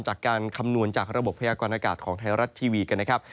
จากการคำนวณจากระบบพยากรณ์อากาศของไทยรัฐทีวีกัน